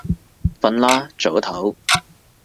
瞓啦，早唞